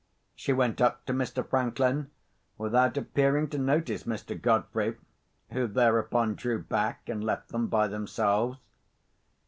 She went up to Mr. Franklin without appearing to notice Mr. Godfrey, who thereupon drew back and left them by themselves.